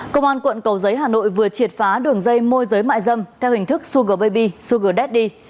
công an quận cầu giấy hà nội vừa triệt phá đường dây môi giới mại dâm theo hình thức sugar baby sugar daddy